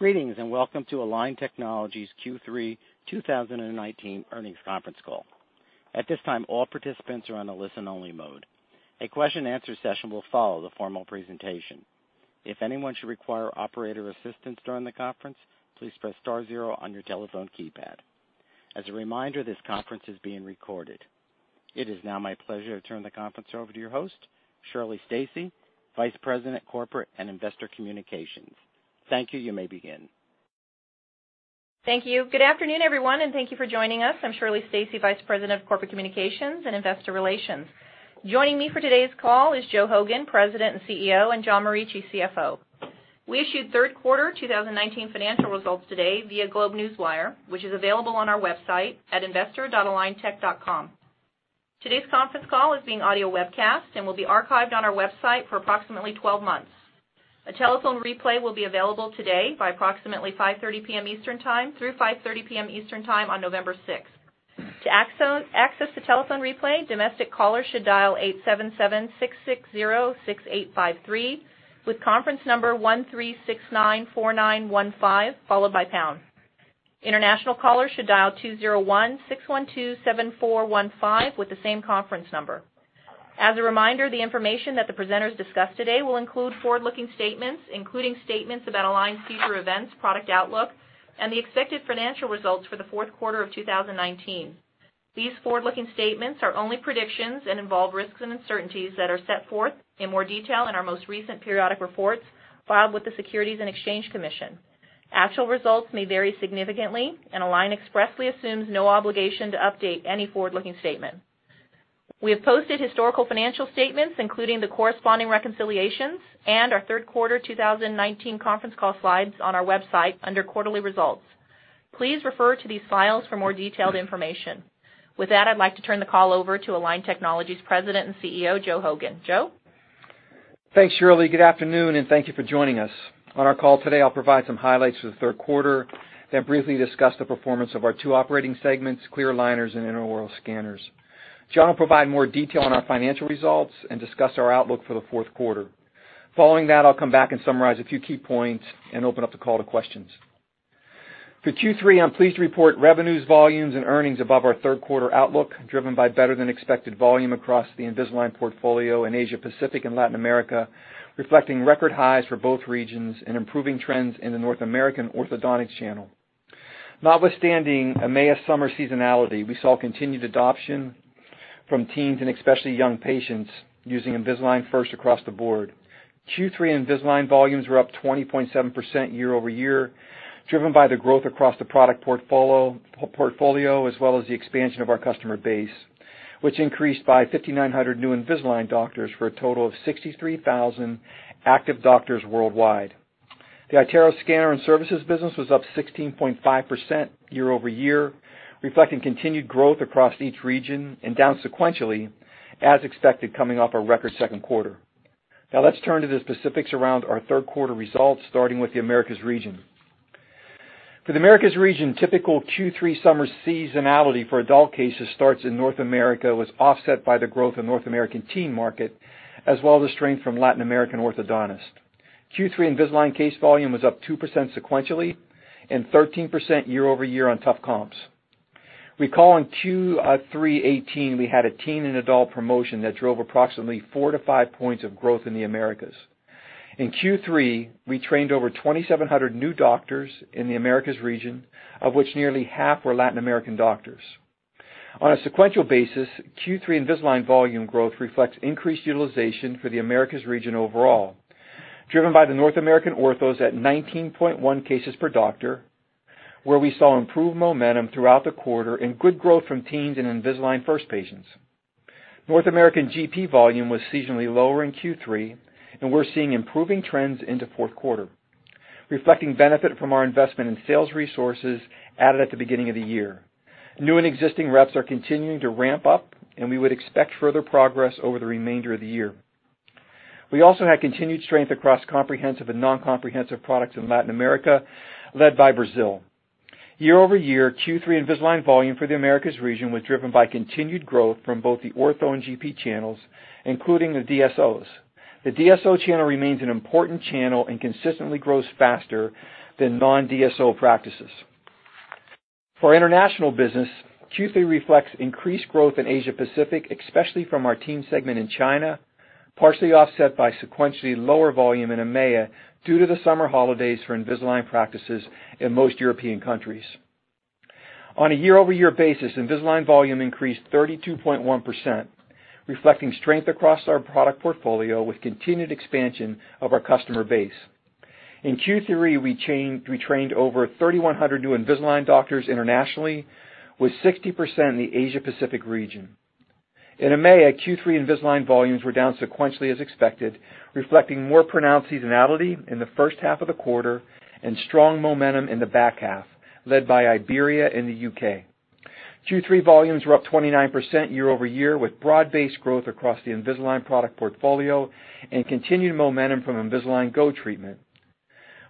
Greetings, and welcome to Align Technology's Q3 2019 earnings conference call. At this time, all participants are on a listen-only mode. A question and answer session will follow the formal presentation. If anyone should require operator assistance during the conference, please press star zero on your telephone keypad. As a reminder, this conference is being recorded. It is now my pleasure to turn the conference over to your host, Shirley Stacy, Vice President, Corporate and Investor Communications. Thank you. You may begin. Thank you. Good afternoon, everyone, and thank you for joining us. I'm Shirley Stacy, Vice President of Corporate Communications and Investor Relations. Joining me for today's call is Joe Hogan, President and CEO, and John Morici, CFO. We issued third quarter 2019 financial results today via GlobeNewswire, which is available on our website at investor.aligntech.com. Today's conference call is being audio webcast and will be archived on our website for approximately 12 months. A telephone replay will be available today by approximately 5:30 P.M. Eastern Time through 5:30 P.M. Eastern Time on November sixth. To access the telephone replay, domestic callers should dial 877-660-6853 with conference number 13694915, followed by pound. International callers should dial 201-612-7415 with the same conference number. As a reminder, the information that the presenters discuss today will include forward-looking statements, including statements about Align's future events, product outlook, and the expected financial results for the fourth quarter of 2019. These forward-looking statements are only predictions and involve risks and uncertainties that are set forth in more detail in our most recent periodic reports filed with the Securities and Exchange Commission. Actual results may vary significantly, and Align expressly assumes no obligation to update any forward-looking statement. We have posted historical financial statements, including the corresponding reconciliations and our third quarter 2019 conference call slides on our website under quarterly results. Please refer to these files for more detailed information. With that, I'd like to turn the call over to Align Technology's President and CEO, Joe Hogan. Joe? Thanks, Shirley. Good afternoon, thank you for joining us. On our call today, I'll provide some highlights for the third quarter, then briefly discuss the performance of our two operating segments, clear aligners and intraoral scanners. John will provide more detail on our financial results and discuss our outlook for the fourth quarter. Following that, I'll come back and summarize a few key points and open up the call to questions. For Q3, I'm pleased to report revenues, volumes, and earnings above our third quarter outlook, driven by better than expected volume across the Invisalign portfolio in Asia Pacific and Latin America, reflecting record highs for both regions and improving trends in the North American orthodontics channel. Notwithstanding EMEA summer seasonality, we saw continued adoption from teens and especially young patients using Invisalign First across the board. Q3 Invisalign volumes were up 20.7% year-over-year, driven by the growth across the product portfolio as well as the expansion of our customer base, which increased by 5,900 new Invisalign doctors for a total of 63,000 active doctors worldwide. The iTero scanner and services business was up 16.5% year-over-year, reflecting continued growth across each region and down sequentially as expected, coming off a record second quarter. Let's turn to the specifics around our third quarter results, starting with the Americas region. For the Americas region, typical Q3 summer seasonality for adult cases starts in North America, was offset by the growth of North American teen market, as well as the strength from Latin American orthodontists. Q3 Invisalign case volume was up 2% sequentially and 13% year-over-year on tough comps. Recall in Q3 2018, we had a teen and adult promotion that drove approximately four to five points of growth in the Americas. In Q3, we trained over 2,700 new doctors in the Americas region, of which nearly half were Latin American doctors. On a sequential basis, Q3 Invisalign volume growth reflects increased utilization for the Americas region overall, driven by the North American orthos at 19.1 cases per doctor, where we saw improved momentum throughout the quarter and good growth from teens and Invisalign First patients. North American GP volume was seasonally lower in Q3, and we're seeing improving trends into fourth quarter, reflecting benefit from our investment in sales resources added at the beginning of the year. New and existing reps are continuing to ramp up, and we would expect further progress over the remainder of the year. We also had continued strength across comprehensive and non-comprehensive products in Latin America, led by Brazil. Year-over-year, Q3 Invisalign volume for the Americas region was driven by continued growth from both the ortho and GP channels, including the DSOs. The DSO channel remains an important channel and consistently grows faster than non-DSO practices. For international business, Q3 reflects increased growth in Asia Pacific, especially from our teen segment in China, partially offset by sequentially lower volume in EMEA due to the summer holidays for Invisalign practices in most European countries. On a year-over-year basis, Invisalign volume increased 32.1%, reflecting strength across our product portfolio with continued expansion of our customer base. In Q3, we trained over 3,100 new Invisalign doctors internationally, with 60% in the Asia Pacific region. In EMEA, Q3 Invisalign volumes were down sequentially as expected, reflecting more pronounced seasonality in the first half of the quarter and strong momentum in the back half, led by Iberia and the U.K. Q3 volumes were up 29% year-over-year, with broad-based growth across the Invisalign product portfolio and continued momentum from Invisalign Go treatment.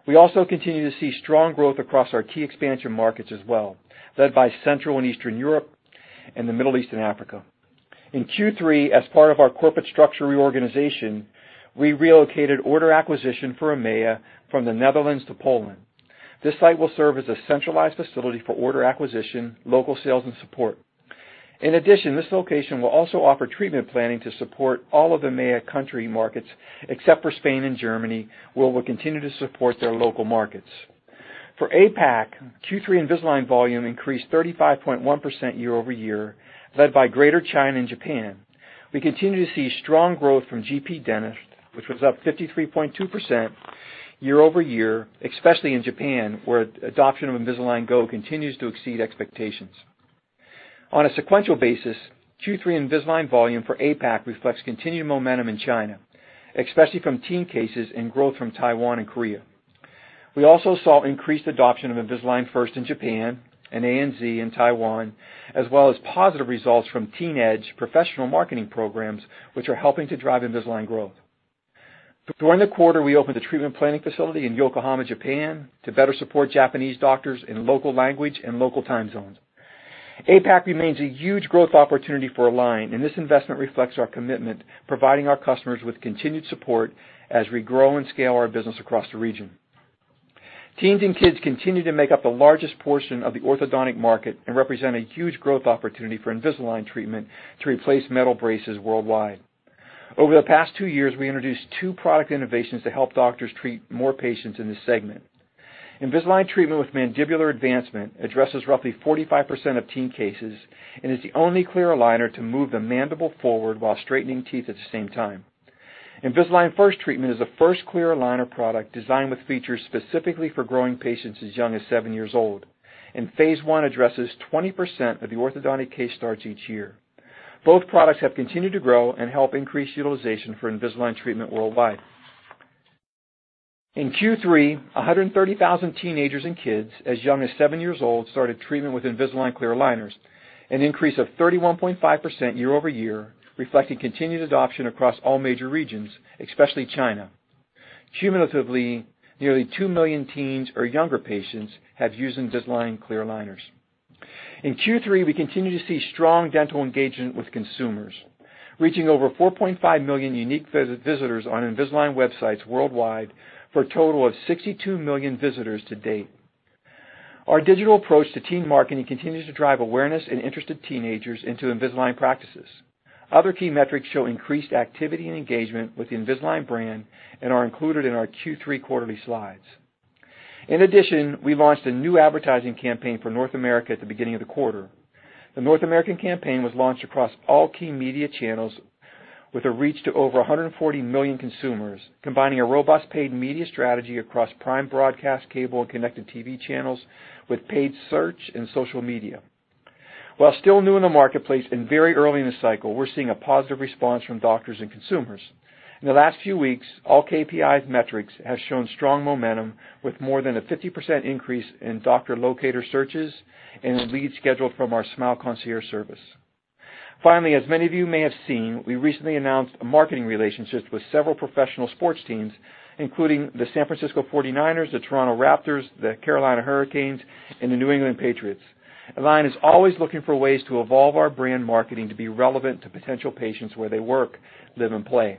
We also continue to see strong growth across our key expansion markets as well, led by Central and Eastern Europe and the Middle East and Africa. In Q3, as part of our corporate structure reorganization, we relocated order acquisition for EMEA from the Netherlands to Poland. This site will serve as a centralized facility for order acquisition, local sales, and support. In addition, this location will also offer treatment planning to support all of the EMEA country markets, except Spain and Germany, where we'll continue to support their local markets. For APAC, Q3 Invisalign volume increased 35.1% year-over-year, led by Greater China and Japan. We continue to see strong growth from GP dentists, which was up 53.2% year-over-year, especially in Japan, where adoption of Invisalign Go continues to exceed expectations. On a sequential basis, Q3 Invisalign volume for APAC reflects continued momentum in China, especially from teen cases and growth from Taiwan and Korea. We also saw increased adoption of Invisalign First in Japan and ANZ in Taiwan, as well as positive results from Teen Edge professional marketing programs, which are helping to drive Invisalign growth. During the quarter, we opened a treatment planning facility in Yokohama, Japan, to better support Japanese doctors in local language and local time zones. APAC remains a huge growth opportunity for Align, and this investment reflects our commitment providing our customers with continued support as we grow and scale our business across the region. Teens and kids continue to make up the largest portion of the orthodontic market and represent a huge growth opportunity for Invisalign treatment to replace metal braces worldwide. Over the past two years, we introduced two product innovations to help doctors treat more patients in this segment. Invisalign treatment with mandibular advancement addresses roughly 45% of teen cases and is the only clear aligner to move the mandible forward while straightening teeth at the same time. Invisalign First treatment is the first clear aligner product designed with features specifically for growing patients as young as seven years old, and Phase 1 addresses 20% of the orthodontic case starts each year. Both products have continued to grow and help increase utilization for Invisalign treatment worldwide. In Q3, 130,000 teenagers and kids as young as seven years old started treatment with Invisalign clear aligners, an increase of 31.5% year-over-year, reflecting continued adoption across all major regions, especially China. Cumulatively, nearly 2 million teens or younger patients have used Invisalign clear aligners. In Q3, we continue to see strong dental engagement with consumers, reaching over 4.5 million unique visitors on Invisalign websites worldwide for a total of 62 million visitors to date. Our digital approach to teen marketing continues to drive awareness and interested teenagers into Invisalign practices. Other key metrics show increased activity and engagement with the Invisalign brand and are included in our Q3 quarterly slides. In addition, we launched a new advertising campaign for North America at the beginning of the quarter. The North American campaign was launched across all key media channels with a reach to over 140 million consumers, combining a robust paid media strategy across prime broadcast cable and connected TV channels with paid search and social media. While still new in the marketplace and very early in the cycle, we're seeing a positive response from doctors and consumers. In the last few weeks, all KPI metrics have shown strong momentum with more than a 50% increase in doctor locator searches and in leads scheduled from our Smile Concierge service. Finally, as many of you may have seen, we recently announced a marketing relationship with several professional sports teams, including the San Francisco 49ers, the Toronto Raptors, the Carolina Hurricanes, and the New England Patriots. Align is always looking for ways to evolve our brand marketing to be relevant to potential patients where they work, live, and play.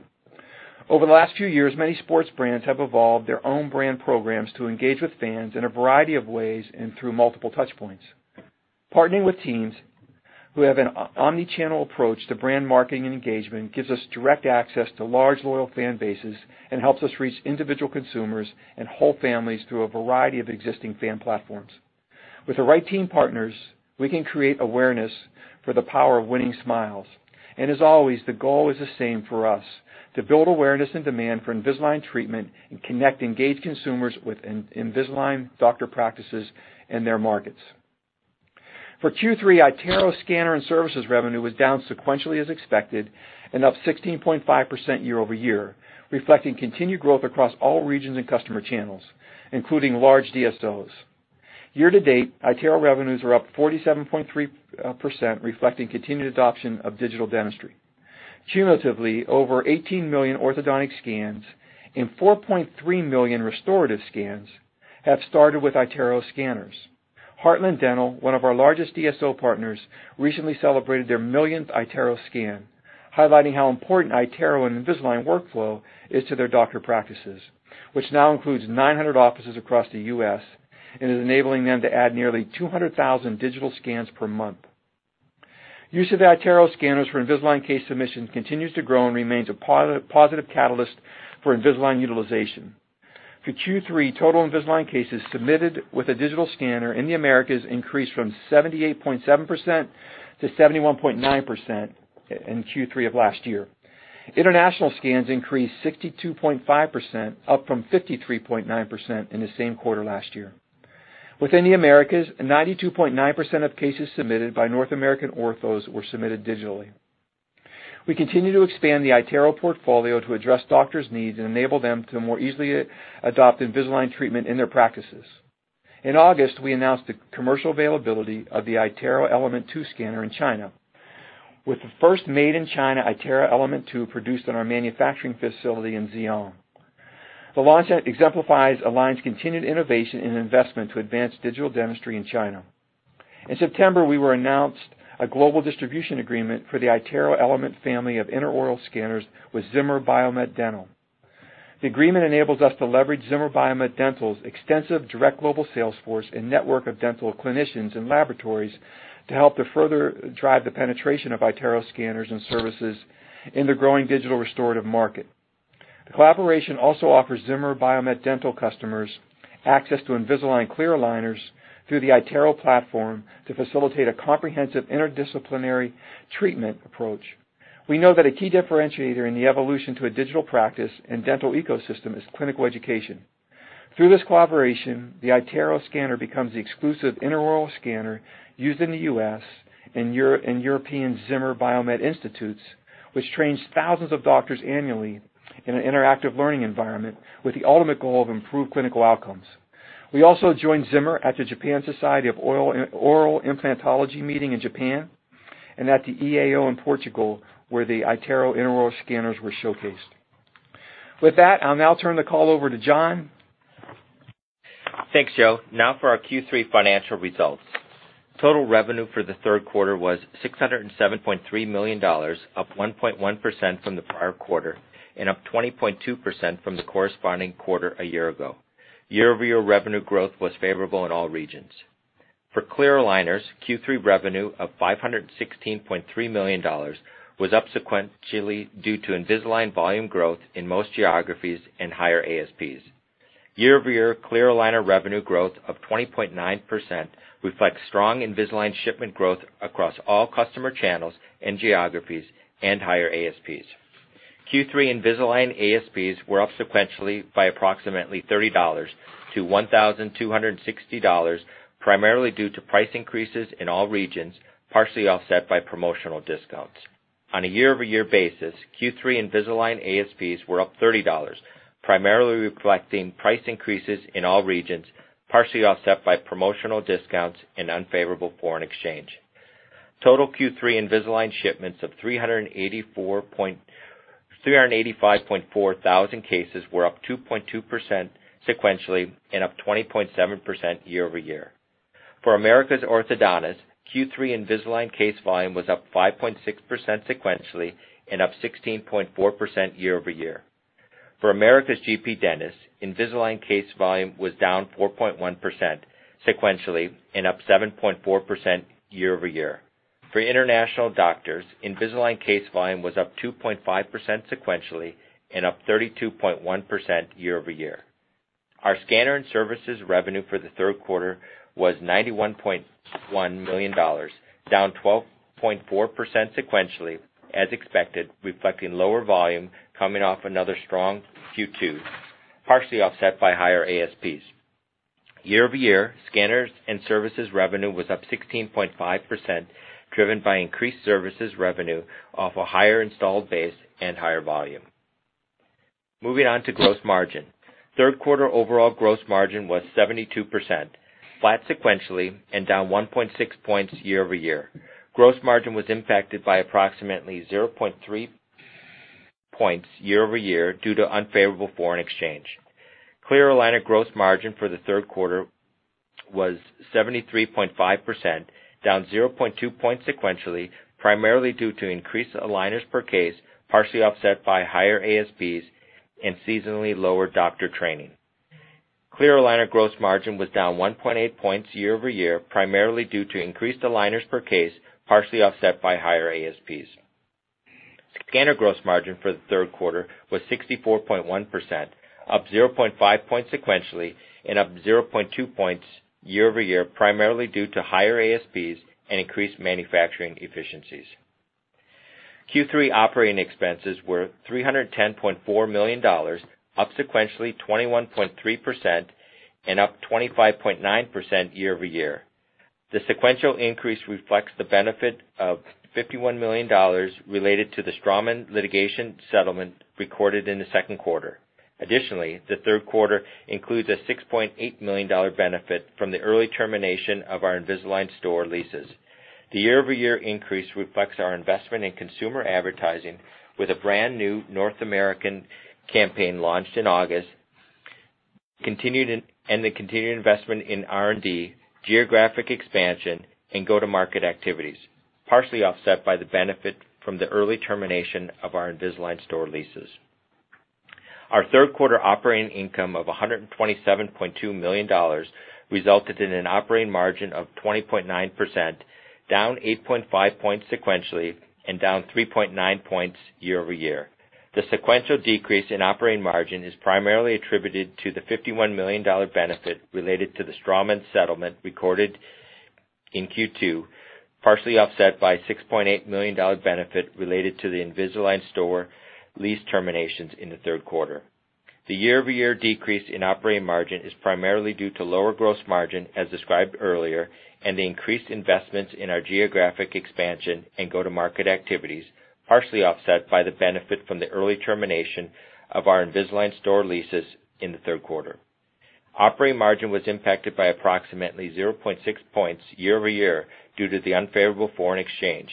Over the last few years, many sports brands have evolved their own brand programs to engage with fans in a variety of ways and through multiple touchpoints. Partnering with teams who have an omni-channel approach to brand marketing and engagement gives us direct access to large, loyal fan bases and helps us reach individual consumers and whole families through a variety of existing fan platforms. With the right team partners, we can create awareness for the power of winning smiles. As always, the goal is the same for us, to build awareness and demand for Invisalign treatment and connect engaged consumers with Invisalign doctor practices in their markets. For Q3, iTero scanner and services revenue was down sequentially as expected and up 16.5% year-over-year, reflecting continued growth across all regions and customer channels, including large DSOs. Year to date, iTero revenues are up 47.3%, reflecting continued adoption of digital dentistry. Cumulatively, over 18 million orthodontic scans and 4.3 million restorative scans have started with iTero scanners. Heartland Dental, one of our largest DSO partners, recently celebrated their millionth iTero scan, highlighting how important iTero and Invisalign workflow is to their doctor practices, which now includes 900 offices across the U.S. and is enabling them to add nearly 200,000 digital scans per month. Use of iTero scanners for Invisalign case submission continues to grow and remains a positive catalyst for Invisalign utilization. For Q3, total Invisalign cases submitted with a digital scanner in the Americas increased from 78.7% to 71.9% in Q3 of last year. International scans increased 62.5%, up from 53.9% in the same quarter last year. Within the Americas, 92.9% of cases submitted by North American orthos were submitted digitally. We continue to expand the iTero portfolio to address doctors' needs and enable them to more easily adopt Invisalign treatment in their practices. In August, we announced the commercial availability of the iTero Element 2 scanner in China, with the first made-in-China iTero Element 2 produced in our manufacturing facility in Zhejiang. The launch exemplifies Align's continued innovation and investment to advance digital dentistry in China. In September, we announced a global distribution agreement for the iTero Element family of intraoral scanners with Zimmer Biomet Dental. The agreement enables us to leverage Zimmer Biomet Dental's extensive direct global sales force and network of dental clinicians and laboratories to help to further drive the penetration of iTero scanners and services in the growing digital restorative market. The collaboration also offers Zimmer Biomet Dental customers access to Invisalign clear aligners through the iTero platform to facilitate a comprehensive interdisciplinary treatment approach. We know that a key differentiator in the evolution to a digital practice and dental ecosystem is clinical education. Through this collaboration, the iTero scanner becomes the exclusive intraoral scanner used in the U.S. and European Zimmer Biomet Institutes, which trains thousands of doctors annually in an interactive learning environment with the ultimate goal of improved clinical outcomes. We also joined Zimmer at the Japanese Society of Oral Implantology meeting in Japan and at the EAO in Portugal, where the iTero intraoral scanners were showcased. With that, I'll now turn the call over to John. Thanks, Joe. For our Q3 financial results. Total revenue for the third quarter was $607.3 million, up 1.1% from the prior quarter and up 20.2% from the corresponding quarter a year-ago. Year-over-year revenue growth was favorable in all regions. For clear aligners, Q3 revenue of $516.3 million was up sequentially due to Invisalign volume growth in most geographies and higher ASPs. Year-over-year clear aligner revenue growth of 20.9% reflects strong Invisalign shipment growth across all customer channels and geographies and higher ASPs. Q3 Invisalign ASPs were up sequentially by approximately $30 to $1,260, primarily due to price increases in all regions, partially offset by promotional discounts. On a year-over-year basis, Q3 Invisalign ASPs were up $30, primarily reflecting price increases in all regions, partially offset by promotional discounts and unfavorable foreign exchange. Total Q3 Invisalign shipments of 385,400 cases were up 2.2% sequentially and up 20.7% year-over-year. For America's orthodontists, Q3 Invisalign case volume was up 5.6% sequentially and up 16.4% year-over-year. For America's GP dentists, Invisalign case volume was down 4.1% sequentially and up 7.4% year-over-year. For international doctors, Invisalign case volume was up 2.5% sequentially and up 32.1% year-over-year. Our scanner and services revenue for the third quarter was $91.1 million, down 12.4% sequentially as expected, reflecting lower volume coming off another strong Q2, partially offset by higher ASPs. Year-over-year, scanners and services revenue was up 16.5%, driven by increased services revenue off a higher installed base and higher volume. Moving on to gross margin. Third quarter overall gross margin was 72%, flat sequentially and down 1.6 points year-over-year. Gross margin was impacted by approximately 0.3 points year-over-year due to unfavorable foreign exchange. Clear aligner gross margin for the third quarter was 73.5%, down 0.2 points sequentially, primarily due to increased aligners per case, partially offset by higher ASPs and seasonally lower doctor training. Clear aligner gross margin was down 1.8 points year-over-year, primarily due to increased aligners per case, partially offset by higher ASPs. Scanner gross margin for the third quarter was 64.1%, up 0.5 points sequentially and up 0.2 points year-over-year, primarily due to higher ASPs and increased manufacturing efficiencies. Q3 operating expenses were $310.4 million, up sequentially 21.3% and up 25.9% year-over-year. The sequential increase reflects the benefit of $51 million related to the Straumann litigation settlement recorded in the second quarter. Additionally, the third quarter includes a $6.8-million benefit from the early termination of our Invisalign store leases. The year-over-year increase reflects our investment in consumer advertising with a brand-new North American campaign launched in August, and the continued investment in R&D, geographic expansion, and go-to-market activities, partially offset by the benefit from the early termination of our Invisalign store leases. Our third quarter operating income of $127.2 million resulted in an operating margin of 20.9%, down 8.5 points sequentially and down 3.9 points year-over-year. The sequential decrease in operating margin is primarily attributed to the $51 million benefit related to the Straumann settlement recorded in Q2, partially offset by a $6.8 million benefit related to the Invisalign store lease terminations in the third quarter. The year-over-year decrease in operating margin is primarily due to lower gross margin, as described earlier, and the increased investments in our geographic expansion and go-to-market activities, partially offset by the benefit from the early termination of our Invisalign store leases in the third quarter. Operating margin was impacted by approximately 0.6 points year-over-year due to the unfavorable foreign exchange.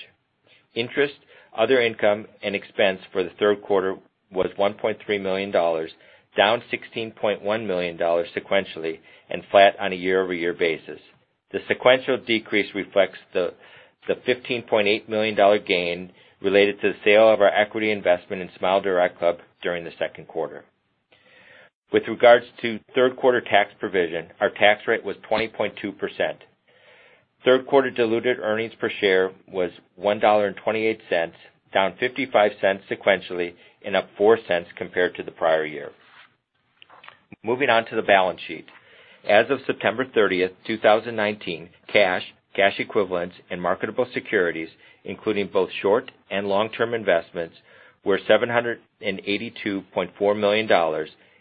Interest, other income, and expense for the third quarter was $1.3 million, down $16.1 million sequentially, and flat on a year-over-year basis. The sequential decrease reflects the $15.8 million gain related to the sale of our equity investment in SmileDirectClub during the second quarter. With regards to third quarter tax provision, our tax rate was 20.2%. Third quarter diluted earnings per share was $1.28, down $0.55 sequentially, and up $0.04 compared to the prior year. Moving on to the balance sheet. As of September 30th, 2019, cash equivalents, and marketable securities, including both short and long-term investments, were $782.4 million,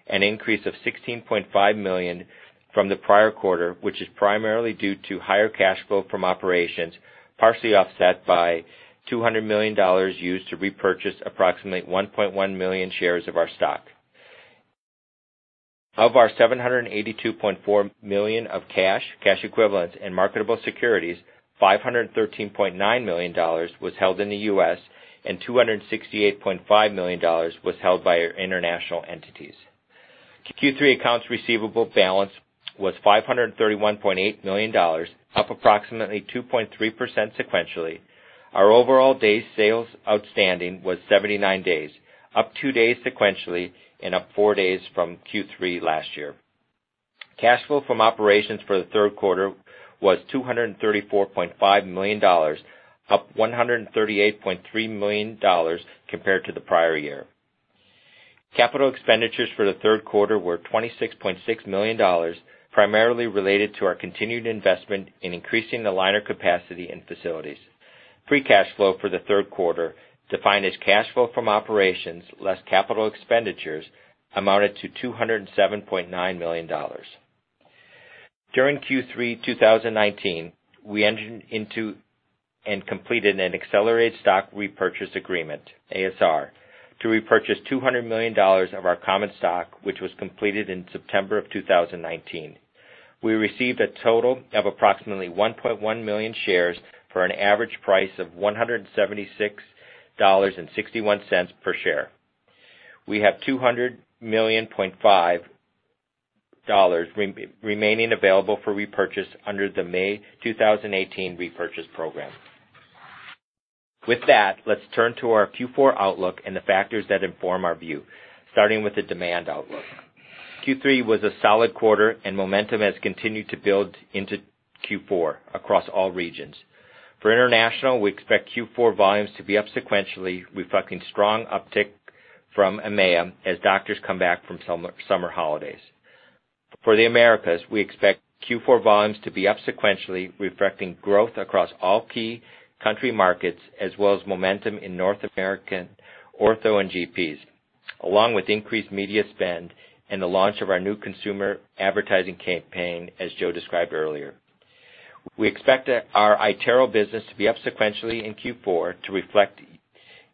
an increase of $16.5 million from the prior quarter, which is primarily due to higher cash flow from operations, partially offset by $200 million used to repurchase approximately 1.1 million shares of our stock. Of our $782.4 million of cash equivalents, and marketable securities, $513.9 million was held in the U.S., and $268.5 million was held by our international entities. Q3 accounts receivable balance was $531.8 million, up approximately 2.3% sequentially. Our overall day sales outstanding was 79 days, up 2 days sequentially, and up 4 days from Q3 last year. Cash flow from operations for the third quarter was $234.5 million, up $138.3 million compared to the prior year. Capital expenditures for the third quarter were $26.6 million, primarily related to our continued investment in increasing the aligner capacity and facilities. Free cash flow for the third quarter, defined as cash flow from operations less capital expenditures, amounted to $207.9 million. During Q3 2019, we entered into and completed an accelerated stock repurchase agreement, ASR, to repurchase $200 million of our common stock, which was completed in September 2019. We received a total of approximately 1.1 million shares for an average price of $176.61 per share. We have $200.5 million remaining available for repurchase under the May 2018 repurchase program. With that, let's turn to our Q4 outlook and the factors that inform our view, starting with the demand outlook. Q3 was a solid quarter, and momentum has continued to build into Q4 across all regions. For international, we expect Q4 volumes to be up sequentially, reflecting strong uptick from EMEA as doctors come back from summer holidays. For the Americas, we expect Q4 volumes to be up sequentially, reflecting growth across all key country markets, as well as momentum in North American ortho and GPs, along with increased media spend and the launch of our new consumer advertising campaign, as Joe described earlier. We expect our iTero business to be up sequentially in Q4 to reflect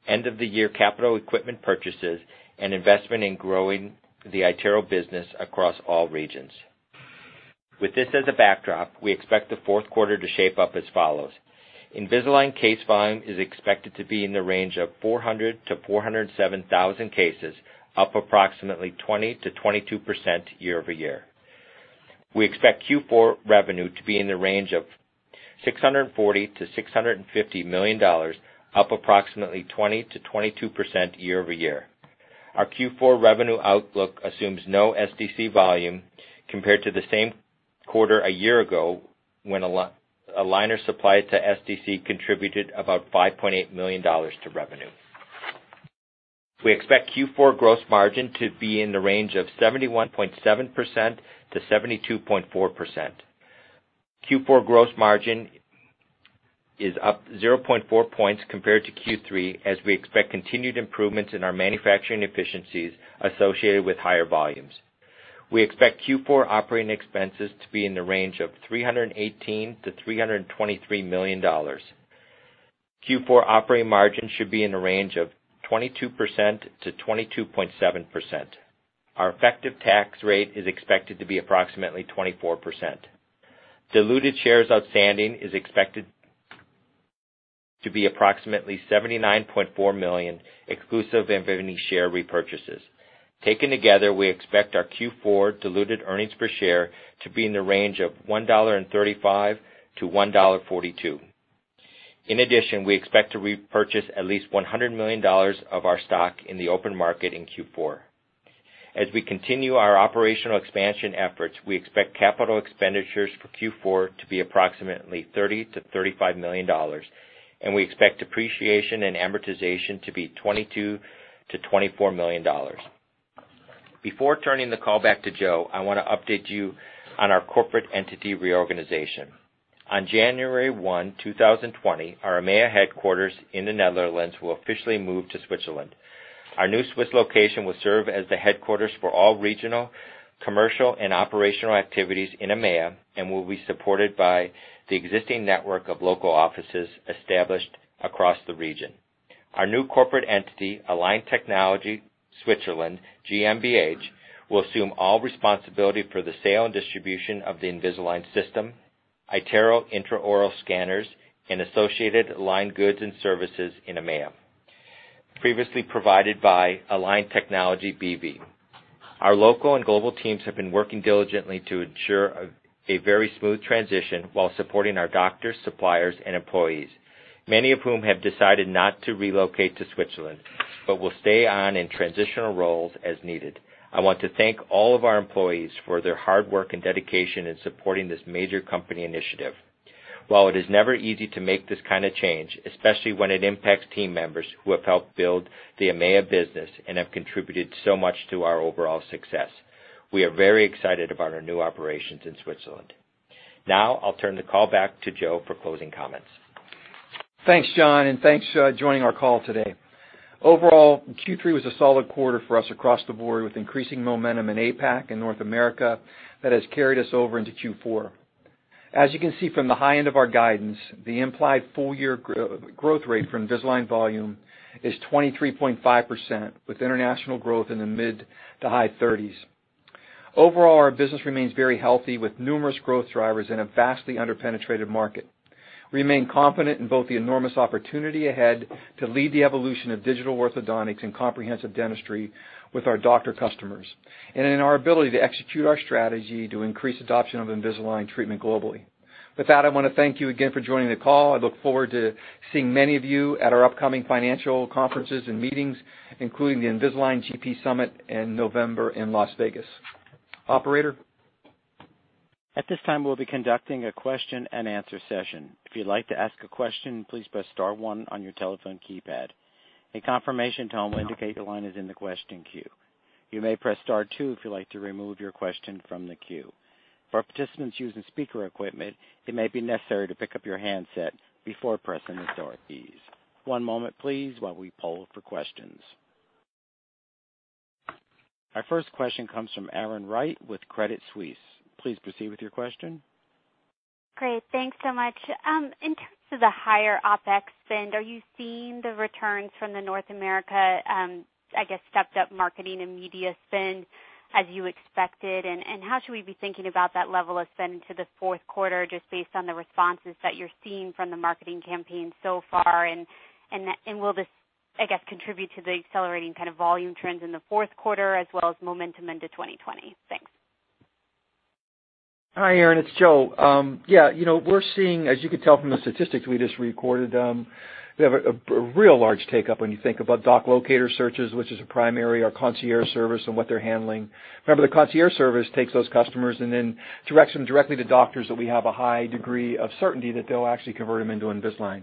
end-of-the-year capital equipment purchases and investment in growing the iTero business across all regions. With this as a backdrop, we expect the fourth quarter to shape up as follows. Invisalign case volume is expected to be in the range of 400 to 407,000 cases, up approximately 20%-22% year-over-year. We expect Q4 revenue to be in the range of $640 million-$650 million, up approximately 20%-22% year-over-year. Our Q4 revenue outlook assumes no SDC volume compared to the same quarter a year ago when an aligner supplied to SDC contributed about $5.8 million to revenue. We expect Q4 gross margin to be in the range of 71.7%-72.4%. Q4 gross margin is up 0.4 points compared to Q3, as we expect continued improvements in our manufacturing efficiencies associated with higher volumes. We expect Q4 operating expenses to be in the range of $318 million-$323 million. Q4 operating margin should be in the range of 22%-22.7%. Our effective tax rate is expected to be approximately 24%. Diluted shares outstanding is expected to be approximately 79.4 million, exclusive of any share repurchases. Taken together, we expect our Q4 diluted earnings per share to be in the range of $1.35-$1.42. In addition, we expect to repurchase at least $100 million of our stock in the open market in Q4. As we continue our operational expansion efforts, we expect capital expenditures for Q4 to be approximately $30 million-$35 million, and we expect depreciation and amortization to be $22 million-$24 million. Before turning the call back to Joe, I want to update you on our corporate entity reorganization. On January 1, 2020, our EMEA headquarters in the Netherlands will officially move to Switzerland. Our new Swiss location will serve as the headquarters for all regional, commercial, and operational activities in EMEA, and will be supported by the existing network of local offices established across the region. Our new corporate entity, Align Technology Switzerland GmbH, will assume all responsibility for the sale and distribution of the Invisalign system, iTero intraoral scanners, and associated Align goods and services in EMEA, previously provided by Align Technology B.V. Our local and global teams have been working diligently to ensure a very smooth transition while supporting our doctors, suppliers and employees, many of whom have decided not to relocate to Switzerland, but will stay on in transitional roles as needed. I want to thank all of our employees for their hard work and dedication in supporting this major company initiative. While it is never easy to make this kind of change, especially when it impacts team members who have helped build the EMEA business and have contributed so much to our overall success, we are very excited about our new operations in Switzerland. Now I'll turn the call back to Joe for closing comments. Thanks, John, and thanks for joining our call today. Overall, Q3 was a solid quarter for us across the board, with increasing momentum in APAC and North America that has carried us over into Q4. As you can see from the high end of our guidance, the implied full-year growth rate for Invisalign volume is 23.5%, with international growth in the mid to high 30s. Overall, our business remains very healthy, with numerous growth drivers in a vastly under-penetrated market. We remain confident in both the enormous opportunity ahead to lead the evolution of digital orthodontics and comprehensive dentistry with our doctor customers, and in our ability to execute our strategy to increase adoption of Invisalign treatment globally. With that, I want to thank you again for joining the call. I look forward to seeing many of you at our upcoming financial conferences and meetings, including the Invisalign GP Summit in November in Las Vegas. Operator? At this time, we'll be conducting a question and answer session. If you'd like to ask a question, please press star one on your telephone keypad. A confirmation tone will indicate your line is in the question queue. You may press star two if you'd like to remove your question from the queue. For participants using speaker equipment, it may be necessary to pick up your handset before pressing the star keys. One moment, please, while we poll for questions. Our first question comes from Aaron Wright with Credit Suisse. Please proceed with your question. Great. Thanks so much. In terms of the higher OpEx spend, are you seeing the returns from the North America, I guess, stepped-up marketing and media spend as you expected? How should we be thinking about that level of spend into the fourth quarter, just based on the responses that you're seeing from the marketing campaign so far? Will this, I guess, contribute to the accelerating kind of volume trends in the fourth quarter as well as momentum into 2020? Thanks. Hi, Aaron. It's Joe. Yeah, we're seeing, as you can tell from the statistics we just recorded, we have a real large take-up when you think about Doc Locator searches, which is a primary, our Smile Concierge service and what they're handling. Remember, the Smile Concierge service takes those customers and then directs them directly to doctors that we have a high degree of certainty that they'll actually convert them into Invisalign.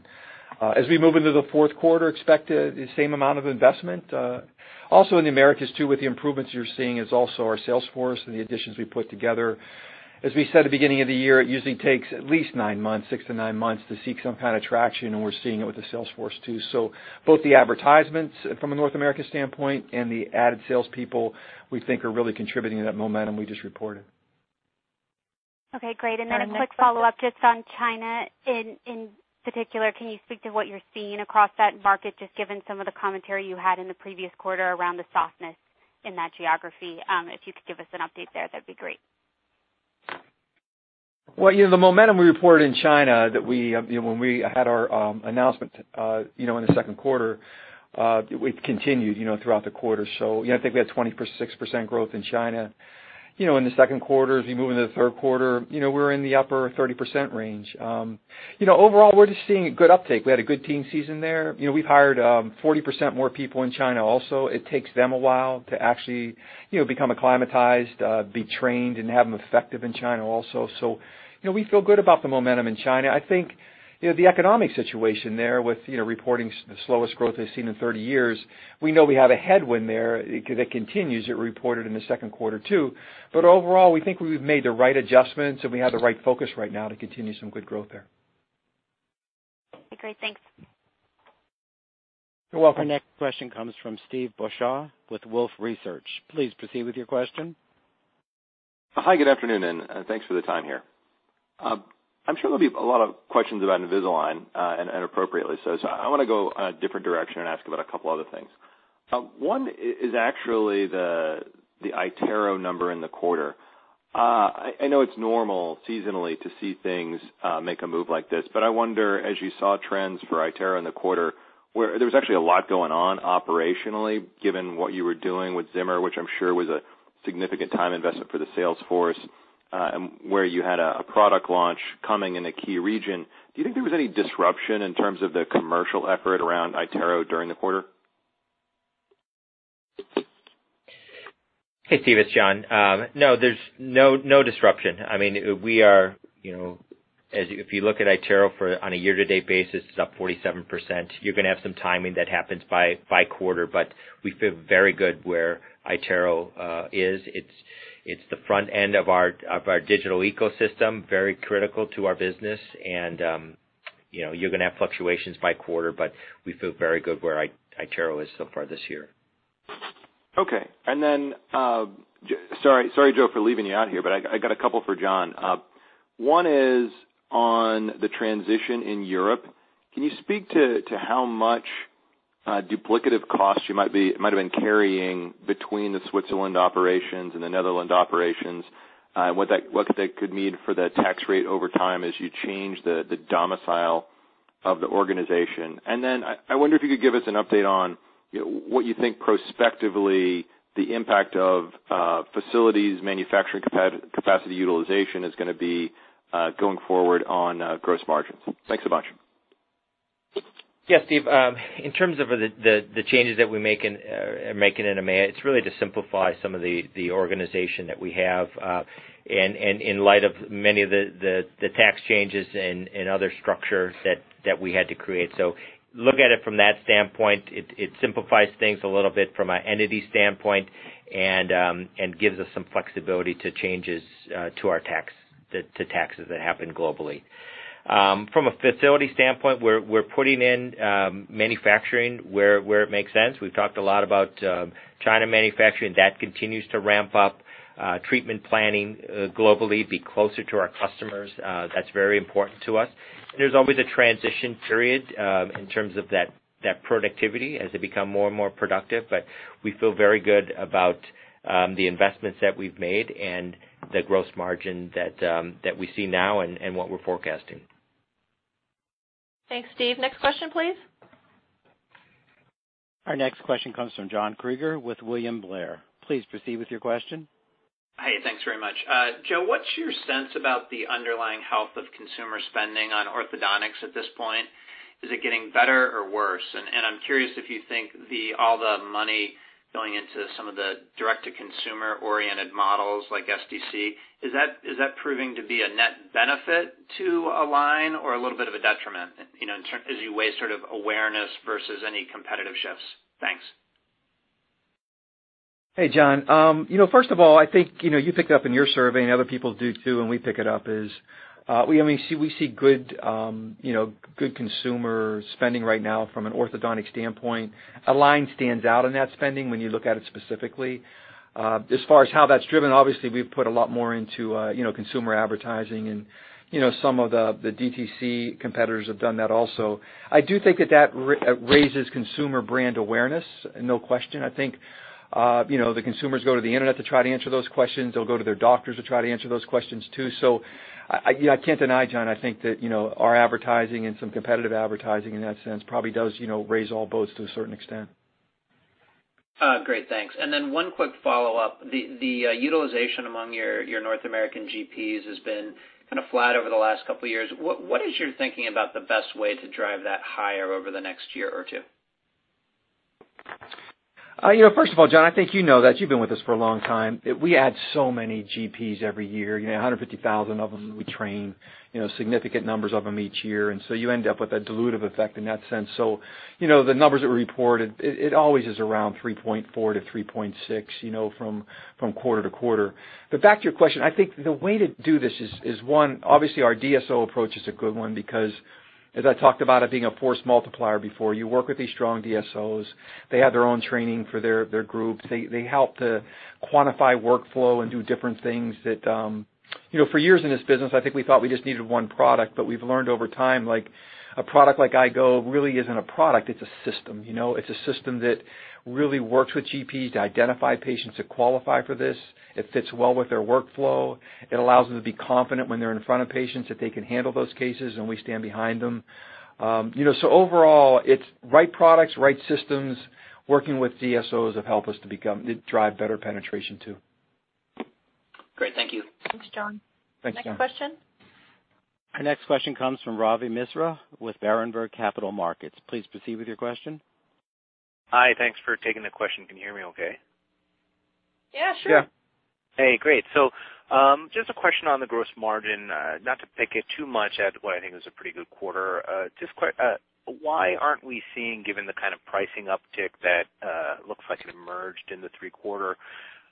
We move into the fourth quarter, expect the same amount of investment. In the Americas, too, with the improvements you're seeing is also our sales force and the additions we put together. We said at the beginning of the year, it usually takes at least nine months, six to nine months, to see some kind of traction, and we're seeing it with the sales force, too. Both the advertisements from a North America standpoint and the added salespeople we think are really contributing to that momentum we just reported. Okay, great. A quick follow-up just on China in particular. Can you speak to what you're seeing across that market, just given some of the commentary you had in the previous quarter around the softness in that geography? If you could give us an update there, that'd be great. Well, the momentum we reported in China when we had our announcement in the second quarter, it continued throughout the quarter. I think we had 26% growth in China. In the second quarter, as you move into the third quarter, we're in the upper 30% range. Overall, we're just seeing a good uptake. We had a good teen season there. We've hired 40% more people in China also. It takes them a while to actually become acclimatized, be trained and have them effective in China also. We feel good about the momentum in China. I think, the economic situation there with reporting the slowest growth they've seen in 30 years, we know we have a headwind there that continues. It reported in the second quarter, too. Overall, we think we've made the right adjustments, and we have the right focus right now to continue some good growth there. Okay, great. Thanks. You're welcome. Our next question comes from Steve Beuchaw with Wolfe Research. Please proceed with your question. Hi, good afternoon. Thanks for the time here. I'm sure there'll be a lot of questions about Invisalign, and appropriately so. I want to go a different direction and ask about a couple other things. One is actually the iTero number in the quarter. I know it's normal seasonally to see things make a move like this, but I wonder, as you saw trends for iTero in the quarter, there was actually a lot going on operationally, given what you were doing with Zimmer, which I'm sure was a significant time investment for the sales force, where you had a product launch coming in a key region. Do you think there was any disruption in terms of the commercial effort around iTero during the quarter? Hey, Steve, it's John. There's no disruption. If you look at iTero on a year-to-date basis, it's up 47%. You're going to have some timing that happens by quarter, but we feel very good where iTero is. It's the front end of our digital ecosystem, very critical to our business. You're going to have fluctuations by quarter, but we feel very good where iTero is so far this year. Okay. Sorry, Joe, for leaving you out here, but I got a couple for John. One is on the transition in Europe. Can you speak to how much duplicative costs you might have been carrying between the Switzerland operations and the Netherlands operations? What that could mean for the tax rate over time as you change the domicile of the organization? I wonder if you could give us an update on what you think prospectively the impact of facilities manufacturing capacity utilization is going to be going forward on gross margins. Thanks a bunch. Yes, Steve. In terms of the changes that we're making in a manner, it's really to simplify some of the organization that we have, in light of many of the tax changes and other structures that we had to create. Look at it from that standpoint, it simplifies things a little bit from an entity standpoint and gives us some flexibility to changes to our taxes that happen globally. From a facility standpoint, we're putting in manufacturing where it makes sense. We've talked a lot about China manufacturing. That continues to ramp up. Treatment planning globally, be closer to our customers. That's very important to us. There's always a transition period in terms of that productivity as they become more and more productive. We feel very good about the investments that we've made and the gross margin that we see now and what we're forecasting. Thanks, Steve. Next question, please. Our next question comes from John Kreger with William Blair. Please proceed with your question. Hey, thanks very much. Joe, what's your sense about the underlying health of consumer spending on orthodontics at this point? Is it getting better or worse? I'm curious if you think all the money going into some of the direct-to-consumer oriented models like SDC, is that proving to be a net benefit to Align or a little bit of a detriment, as you weigh sort of awareness versus any competitive shifts? Thanks. Hey, John. First of all, I think, you pick up in your survey and other people do too, and we pick it up, is we see good consumer spending right now from an orthodontic standpoint. Align stands out in that spending when you look at it specifically. As far as how that's driven, obviously, we've put a lot more into consumer advertising and some of the DTC competitors have done that also. I do think that raises consumer brand awareness, no question. I think, the consumers go to the Internet to try to answer those questions. They'll go to their doctors to try to answer those questions, too. I can't deny, John, I think that our advertising and some competitive advertising in that sense probably does raise all boats to a certain extent. Great, thanks. One quick follow-up. The utilization among your North American GPs has been kind of flat over the last couple of years. What is your thinking about the best way to drive that higher over the next year or two? First of all, John, I think you know that, you've been with us for a long time, we add so many GPs every year, 150,000 of them we train, significant numbers of them each year. You end up with a dilutive effect in that sense. The numbers that were reported, it always is around 3.4 to 3.6 from quarter-to-quarter. Back to your question, I think the way to do this is, one, obviously our DSO approach is a good one because as I talked about it being a force multiplier before, you work with these strong DSOs. They have their own training for their groups. They help to quantify workflow and do different things. For years in this business, I think we thought we just needed one product, we've learned over time, a product like iGo really isn't a product, it's a system. It's a system that really works with GPs to identify patients who qualify for this. It fits well with their workflow. It allows them to be confident when they're in front of patients that they can handle those cases, we stand behind them. Overall, it's right products, right systems, working with DSOs have helped us to drive better penetration, too. Great. Thank you. Thanks, John. Thanks, John. Next question. Our next question comes from Ravi Misra with Berenberg Capital Markets. Please proceed with your question. Hi. Thanks for taking the question. Can you hear me okay? Yeah, sure. Yeah. Hey, great. Just a question on the gross margin. Not to pick it too much at what I think is a pretty good quarter. Why aren't we seeing, given the kind of pricing uptick that looks like it emerged in the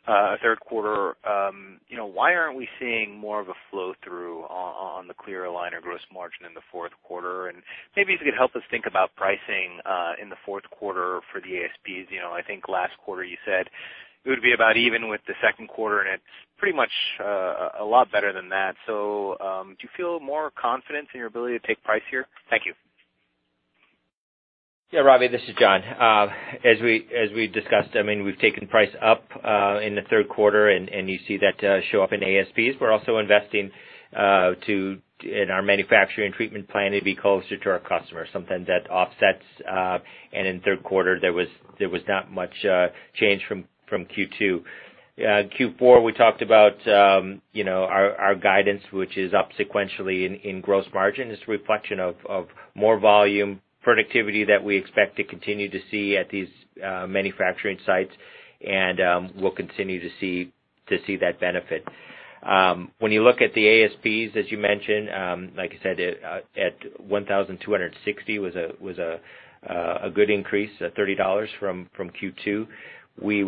third quarter, why aren't we seeing more of a flow-through on the clear aligner gross margin in the fourth quarter? Maybe if you could help us think about pricing in the fourth quarter for the ASPs. I think last quarter you said it would be about even with the second quarter, and it's pretty much a lot better than that. Do you feel more confidence in your ability to take price here? Thank you. Ravi, this is John. As we discussed, we've taken price up in the third quarter, and you see that show up in ASPs. We're also investing in our manufacturing treatment plan to be closer to our customers, something that offsets, and in the third quarter, there was not much change from Q2. Q4, we talked about our guidance, which is up sequentially in gross margin. It's a reflection of more volume productivity that we expect to continue to see at these manufacturing sites, and we'll continue to see that benefit. You look at the ASPs, as you mentioned, like I said, at $1,260 was a good increase, at $30 from Q2. We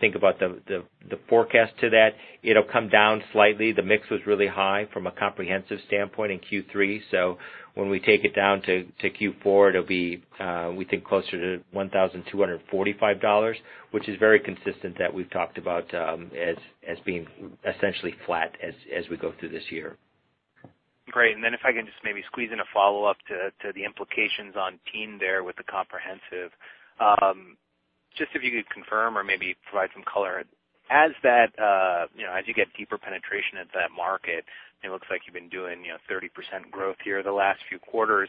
think about the forecast to that, it'll come down slightly. The mix was really high from a comprehensive standpoint in Q3. When we take it down to Q4, it'll be, we think closer to $1,245, which is very consistent that we've talked about as being essentially flat as we go through this year. Great. If I can just maybe squeeze in a follow-up to the implications on Teen there with the comprehensive. Just if you could confirm or maybe provide some color. As you get deeper penetration into that market, and it looks like you've been doing 30% growth here the last few quarters,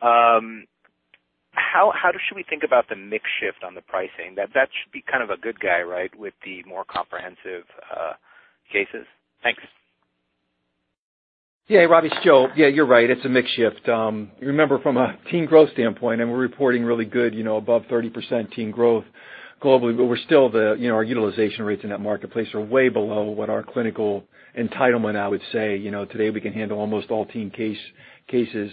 how should we think about the mix shift on the pricing? That should be kind of a good guy, right, with the more comprehensive cases. Thanks. Yeah, Ravi, it's Joe. You're right, it's a mix shift. Remember from a teen growth standpoint, we're reporting really good above 30% teen growth globally, but our utilization rates in that marketplace are way below what our clinical entitlement, I would say. Today, we can handle almost all teen cases.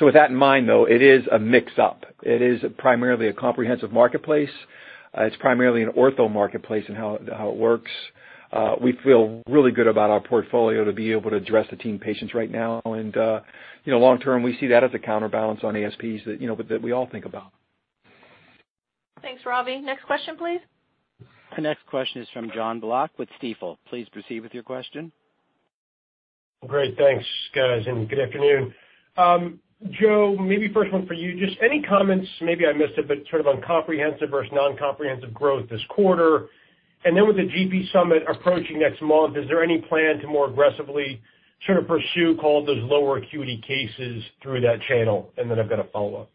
With that in mind, though, it is a mix-up. It is primarily a comprehensive marketplace. It's primarily an ortho marketplace in how it works. We feel really good about our portfolio to be able to address the teen patients right now, long term, we see that as a counterbalance on ASPs that we all think about. Thanks, Ravi. Next question, please. The next question is from Jonathan Block with Stifel. Please proceed with your question. Great. Thanks, guys, good afternoon. Joe, maybe first one for you. Just any comments, maybe I missed it, sort of on comprehensive versus non-comprehensive growth this quarter. With the GP Summit approaching next month, is there any plan to more aggressively sort of pursue, call it those lower acuity cases through that channel? I've got a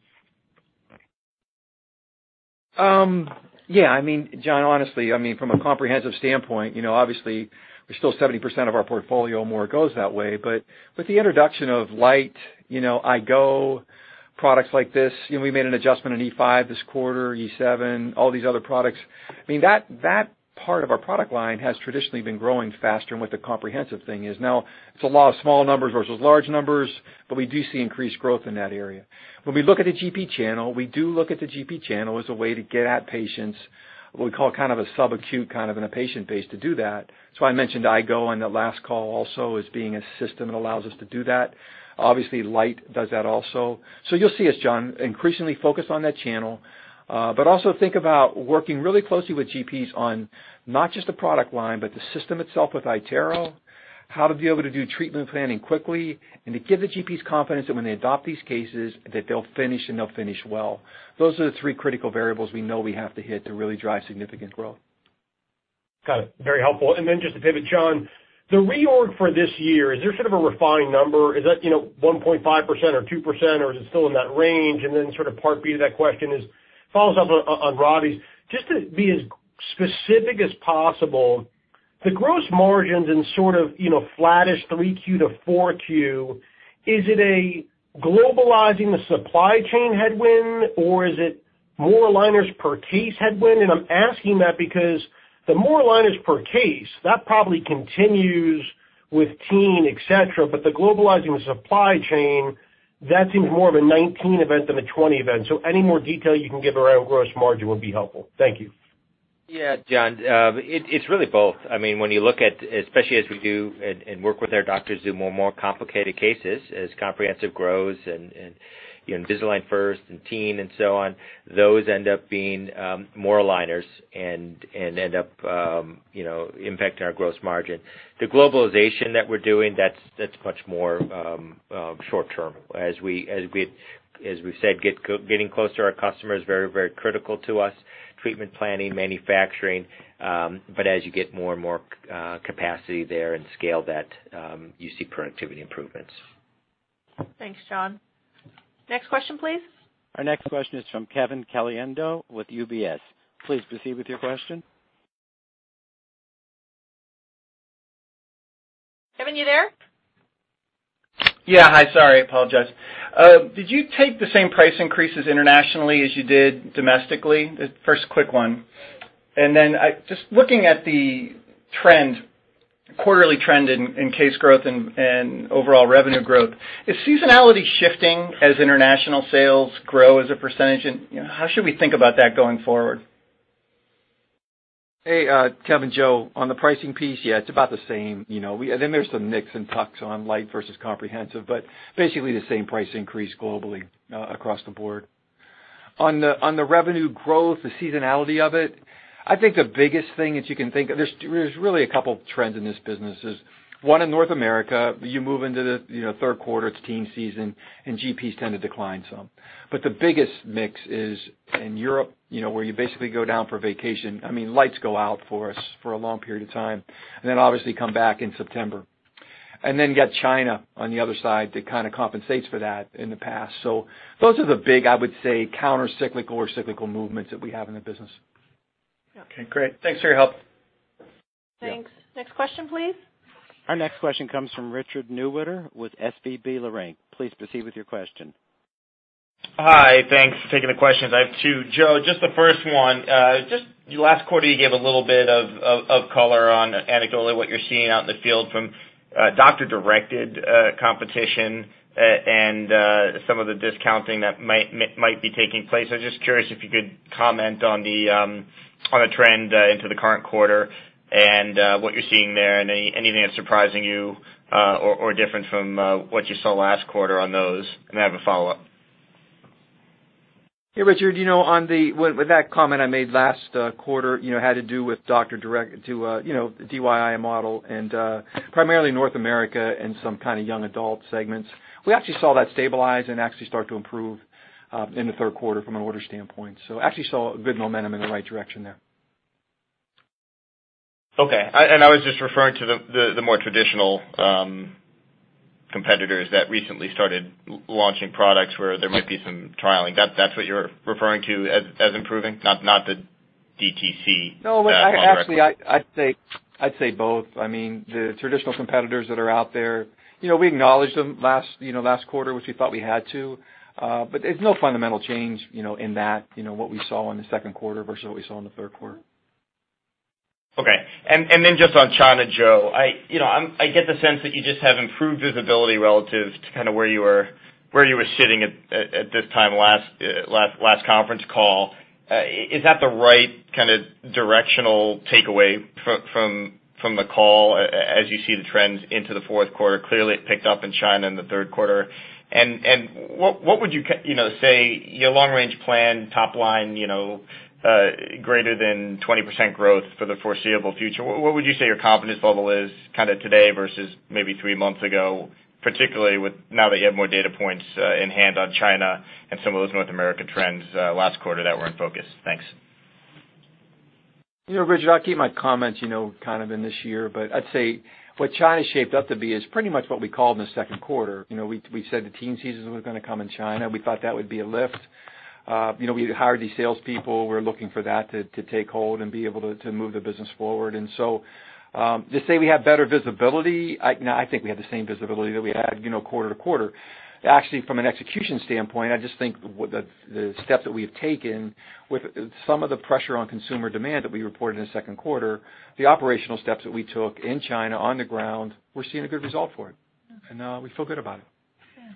follow-up. Yeah, John, honestly, from a comprehensive standpoint, obviously, still 70% of our portfolio or more goes that way. With the introduction of Lite, Invisalign Go, products like this, we made an adjustment in Express 5 this quarter, Express 7, all these other products. That part of our product line has traditionally been growing faster. With the comprehensive thing is now it's a lot of small numbers versus large numbers, but we do see increased growth in that area. When we look at the GP channel, we do look at the GP channel as a way to get at patients, what we call kind of a sub-acute, kind of in a patient base to do that. That's why I mentioned Invisalign Go on the last call also as being a system that allows us to do that. Lite does that also. You'll see us, John, increasingly focused on that channel. Also think about working really closely with GPs on not just the product line, but the system itself with iTero, how to be able to do treatment planning quickly, and to give the GPs confidence that when they adopt these cases, that they'll finish, and they'll finish well. Those are the three critical variables we know we have to hit to really drive significant growth. Got it. Very helpful. Just to pivot, John, the reorg for this year, is there sort of a refined number? Is that 1.5% or 2%, or is it still in that range? Sort of part B to that question follows up on Ravi's. Just to be as specific as possible, the gross margins in sort of flattish three Q to four Q, is it a globalizing the supply chain headwind, or is it more aligners per case headwind? I'm asking that because the more aligners per case, that probably continues with Invisalign Teen, et cetera, but the globalizing the supply chain, that seems more of a 2019 event than a 2020 event. Any more detail you can give around gross margin would be helpful. Thank you. Yeah, John, it's really both. When you look at, especially as we do and work with our doctors who do more and more complicated cases, as comprehensive grows and Invisalign First and teen and so on, those end up being more aligners and end up impacting our gross margin. The globalization that we're doing, that's much more short-term. As we've said, getting close to our customers, very, very critical to us, treatment planning, manufacturing, but as you get more and more capacity there and scale that, you see productivity improvements. Thanks, John. Next question, please. Our next question is from Kevin Caliendo with UBS. Please proceed with your question. Kevin, you there? Yeah. Hi, sorry, apologize. Did you take the same price increases internationally as you did domestically? First quick one. Just looking at the quarterly trend in case growth and overall revenue growth, is seasonality shifting as international sales grow as a percentage, and how should we think about that going forward? Hey, Kevin, Joe. On the pricing piece, yeah, it's about the same. There's some nicks and tucks on Invisalign Lite versus comprehensive, but basically the same price increase globally across the board. On the revenue growth, the seasonality of it, I think the biggest thing that you can think of, there's really a couple trends in this business, is one, in North America, you move into the third quarter, it's teen season, and GPs tend to decline some. The biggest mix is in Europe, where you basically go down for vacation. I mean, lights go out for us for a long period of time, then obviously come back in September. Then you got China on the other side that kind of compensates for that in the past. Those are the big, I would say, countercyclical or cyclical movements that we have in the business. Okay, great. Thanks for your help. Thanks. Next question, please. Our next question comes from Richard Newitter with SVB Leerink. Please proceed with your question. Hi. Thanks for taking the questions. I have two. Joe, just the first one. Just last quarter, you gave a little bit of color on anecdotally what you're seeing out in the field from doctor-directed competition and some of the discounting that might be taking place. I was just curious if you could comment on the trend into the current quarter and what you're seeing there and anything that's surprising you or different from what you saw last quarter on those. I have a follow-up. Hey, Richard. With that comment I made last quarter, had to do with doctor direct to the DIY model and primarily North America and some kind of young adult segments. We actually saw that stabilize and actually start to improve, in the third quarter from an order standpoint. Actually saw good momentum in the right direction there. Okay. I was just referring to the more traditional competitors that recently started launching products where there might be some trialing. That's what you're referring to as improving, not the DTC model directly? Actually, I'd say both. The traditional competitors that are out there, we acknowledged them last quarter, which we thought we had to. There's no fundamental change in that, what we saw in the second quarter versus what we saw in the third quarter. Okay. Just on China, Joe, I get the sense that you just have improved visibility relative to where you were sitting at this time last conference call. Is that the right kind of directional takeaway from the call as you see the trends into the fourth quarter? Clearly, it picked up in China in the third quarter. What would you say your long-range plan, top line, greater than 20% growth for the foreseeable future, what would you say your confidence level is today versus maybe three months ago, particularly now that you have more data points in hand on China and some of those North America trends last quarter that were in focus? Thanks. Richard, I'll keep my comments kind of in this year, but I'd say what China shaped up to be is pretty much what we called in the second quarter. We said the teen season was going to come in China. We thought that would be a lift. We hired these salespeople. We're looking for that to take hold and be able to move the business forward. To say we have better visibility, no, I think we have the same visibility that we had quarter to quarter. From an execution standpoint, I just think the steps that we've taken with some of the pressure on consumer demand that we reported in the second quarter, the operational steps that we took in China, on the ground, we're seeing a good result for it. We feel good about it. Yeah.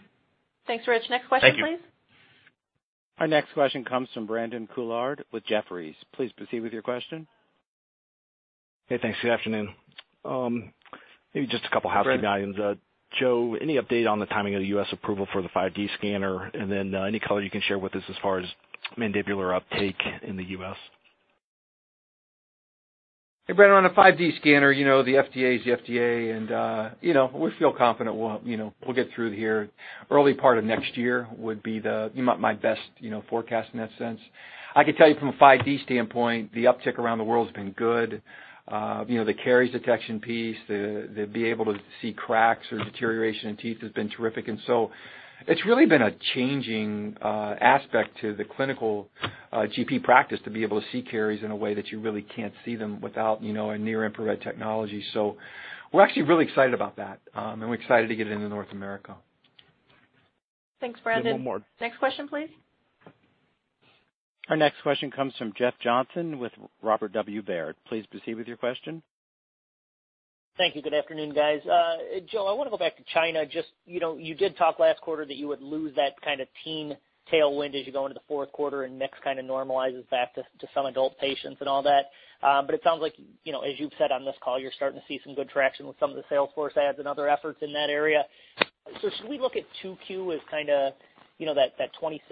Thanks, Rich. Next question, please. Thank you. Our next question comes from Brandon Couillard with Jefferies. Please proceed with your question. Hey, thanks. Good afternoon. Maybe just a couple housekeeping items. Brandon. Joe, any update on the timing of the U.S. approval for the 5D scanner, and then any color you can share with us as far as mandibular uptake in the U.S.? Hey, Brandon, on the 5D scanner, the FDA is the FDA. We feel confident we'll get through here. Early part of next year would be my best forecast in that sense. I could tell you from a 5D standpoint, the uptick around the world has been good. The caries detection piece, to be able to see cracks or deterioration in teeth has been terrific. It's really been a changing aspect to the clinical GP practice to be able to see caries in a way that you really can't see them without a near-infrared technology. We're actually really excited about that, and we're excited to get it into North America. Thanks, Brandon. We have one more. Next question, please. Our next question comes from Jeff Johnson with Robert W. Baird. Please proceed with your question. Thank you. Good afternoon, guys. Joe, I want to go back to China. You did talk last quarter that you would lose that kind of teen tailwind as you go into the fourth quarter, and mix kind of normalizes back to some adult patients and all that. It sounds like, as you've said on this call, you're starting to see some good traction with some of the sales force adds and other efforts in that area. Should we look at 2Q as kind of that 26%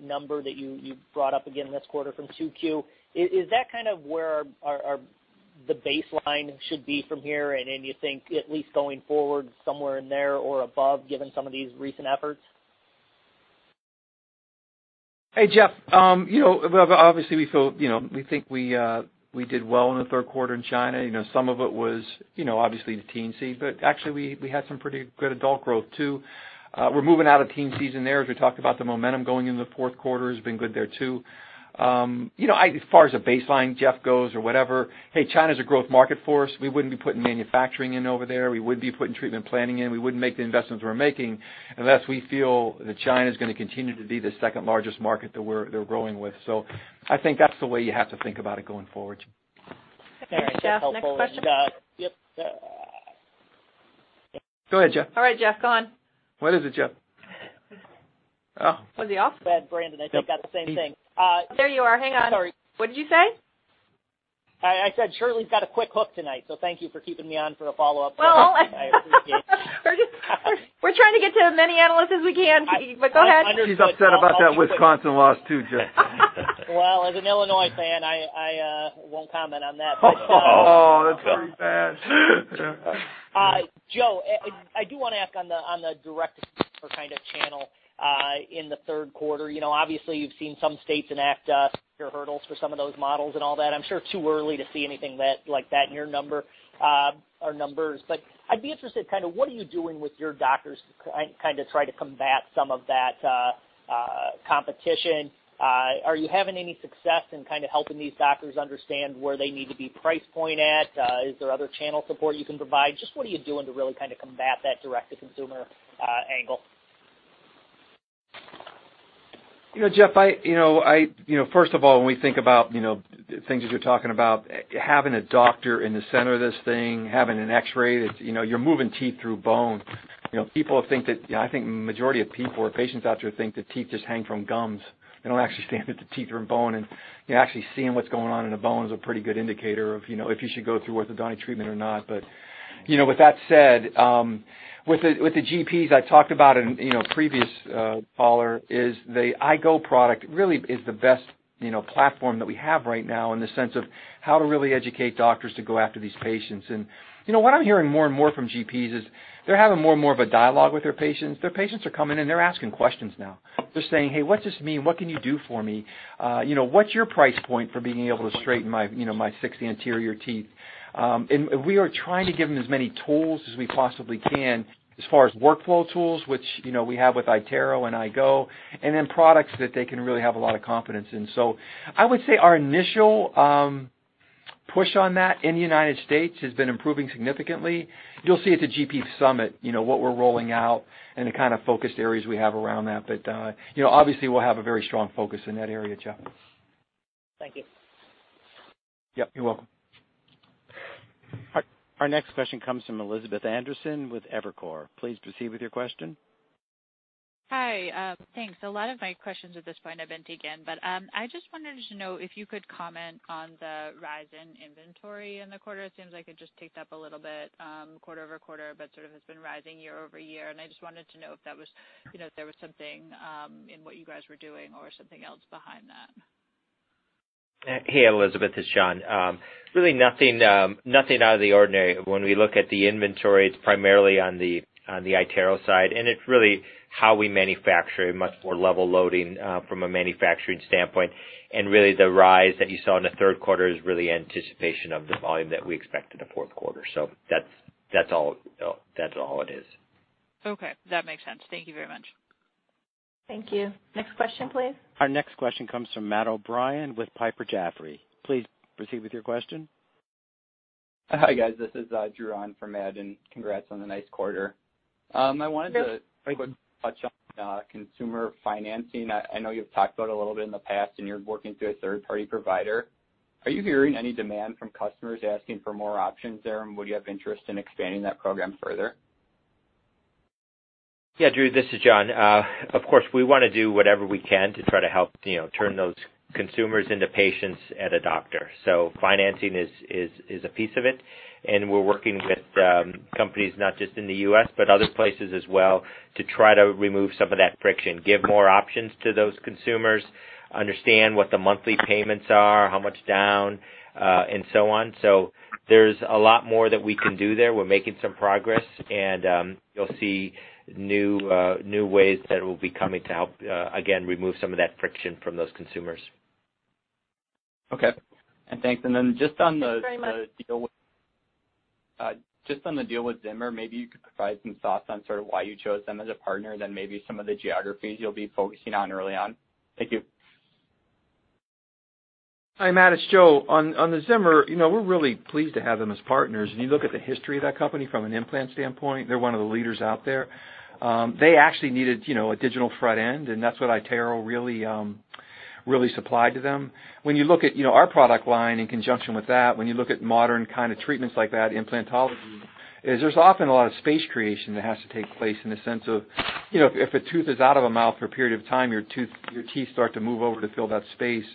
number that you brought up again this quarter from 2Q? Is that kind of where the baseline should be from here? Do you think at least going forward, somewhere in there or above, given some of these recent efforts? Hey, Jeff. Obviously, we think we did well in the third quarter in China. Some of it was obviously the teen scene, actually we had some pretty good adult growth, too. We're moving out of teen season there, as we talked about the momentum going into the fourth quarter has been good there, too. As far as a baseline, Jeff, goes or whatever, hey, China's a growth market for us. We wouldn't be putting manufacturing in over there, we wouldn't be putting treatment planning in, we wouldn't make the investments we're making unless we feel that China is going to continue to be the second largest market that we're growing with. I think that's the way you have to think about it going forward. Thanks, Jeff. Next question. Very helpful. Yep. Go ahead, Jeff. All right, Jeff, go on. What is it, Jeff? Oh. Was he off? [Brad, Brandon]. I think that's the same thing. There you are. Hang on. Sorry. What did you say? I said Shirley's got a quick hook tonight, so thank you for keeping me on for a follow-up. I appreciate that. We're trying to get to as many analysts as we can, but go ahead. He's upset about that Wisconsin loss, too, Jeff. Well, as an Illinois fan, I won't comment on that. Oh, that's pretty bad. Joe, I do want to ask on the direct-to-consumer kind of channel, in the third quarter, obviously you've seen some states enact secure hurdles for some of those models and all that. I'm sure too early to see anything like that in your numbers. I'd be interested, what are you doing with your doctors to kind of try to combat some of that competition? Are you having any success in kind of helping these doctors understand where they need to be price point at? Is there other channel support you can provide? Just what are you doing to really kind of combat that direct-to-consumer angle? Jeff, first of all, when we think about things that you're talking about, having a doctor in the center of this thing, having an X-ray, you're moving teeth through bone. I think majority of people or patients out there think that teeth just hang from gums. They don't actually understand that the teeth are in bone, and actually seeing what's going on in the bone is a pretty good indicator of if you should go through orthodontic treatment or not. With that said, with the GPs I talked about in a previous caller is the Invisalign Go product really is the best platform that we have right now in the sense of how to really educate doctors to go after these patients. What I'm hearing more and more from GPs is they're having more and more of a dialogue with their patients. Their patients are coming in, they're asking questions now. They're saying, "Hey, what's this mean? What can you do for me? What's your price point for being able to straighten my six anterior teeth?" We are trying to give them as many tools as we possibly can as far as workflow tools, which we have with iTero and Invisalign Go, and then products that they can really have a lot of confidence in. I would say our initial push on that in the United States has been improving significantly. You'll see at the GP Summit what we're rolling out and the kind of focused areas we have around that. Obviously, we'll have a very strong focus in that area, Jeff. Thank you. Yep, you're welcome. Our next question comes from Elizabeth Anderson with Evercore. Please proceed with your question. Hi. Thanks. A lot of my questions at this point have been taken. I just wanted to know if you could comment on the rise in inventory in the quarter. It seems like it just ticked up a little bit quarter-over-quarter, but sort of has been rising year-over-year, and I just wanted to know if there was something in what you guys were doing or something else behind that. Hey, Elizabeth, it's John. Really nothing out of the ordinary. When we look at the inventory, it's primarily on the iTero side, and it's really how we manufacture a much more level loading from a manufacturing standpoint. Really the rise that you saw in the third quarter is really anticipation of the volume that we expect in the fourth quarter. That's all it is. Okay, that makes sense. Thank you very much. Thank you. Next question, please. Our next question comes from Matt O'Brien with Piper Jaffray. Please proceed with your question. Hi, guys. This is Drew on for Matt, and congrats on the nice quarter. Sure. I wanted to quick touch on consumer financing. I know you've talked about a little bit in the past, and you're working through a third-party provider. Are you hearing any demand from customers asking for more options there, and would you have interest in expanding that program further? Yeah, Drew, this is John. Of course, we want to do whatever we can to try to help turn those consumers into patients at a doctor. Financing is a piece of it, and we're working with companies not just in the U.S., but other places as well, to try to remove some of that friction, give more options to those consumers, understand what the monthly payments are, how much down, and so on. There's a lot more that we can do there. We're making some progress, and you'll see new ways that we'll be coming to help, again, remove some of that friction from those consumers. Okay. Thanks. Thanks very much. Just on the deal with Zimmer, maybe you could provide some thoughts on sort of why you chose them as a partner, then maybe some of the geographies you'll be focusing on early on. Thank you. Hi, Matt, it's Joe. On the Zimmer Biomet, we're really pleased to have them as partners. When you look at the history of that company from an implant standpoint, they're one of the leaders out there. They actually needed a digital front end. That's what iTero really supplied to them. When you look at our product line in conjunction with that, when you look at modern kind of treatments like that, implantology, is there's often a lot of space creation that has to take place in the sense of, if a tooth is out of a mouth for a period of time, your teeth start to move over to fill that space.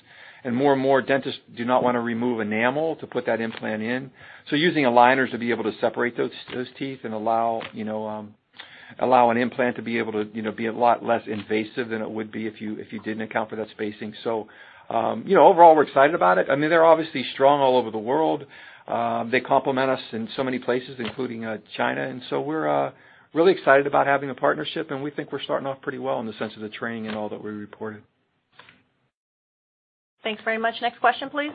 More and more dentists do not want to remove enamel to put that implant in. Using aligners to be able to separate those teeth and allow an implant to be able to be a lot less invasive than it would be if you didn't account for that spacing. Overall, we're excited about it. I mean, they're obviously strong all over the world. They complement us in so many places, including China, and so we're really excited about having a partnership, and we think we're starting off pretty well in the sense of the training and all that we reported. Thanks very much. Next question, please.